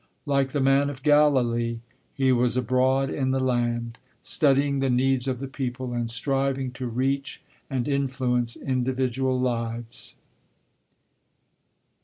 Like "The Man of Galilee," he was abroad in the land, studying the needs of the people and striving to reach and influence individual lives.